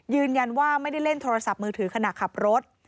ยืนยันว่าไม่ได้เล่นโทรศัพท์มือถือขณะขับรถ